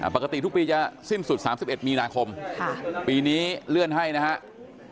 ปกติทุกปีจะสิ้นสุด๓๑มีนาคมปีนี้เลื่อนให้นะครับ